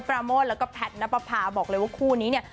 ประโมนแล้วก็แผดน้าปาภาบอกเลยว่าคู่นี้เนี่ย